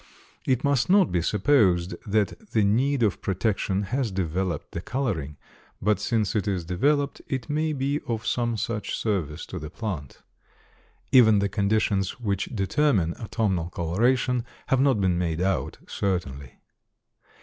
It must not be supposed that the need of protection has developed the coloring, but since it is developed it may be of some such service to the plant. Even the conditions which determine autumnal coloration have not been made out certainly.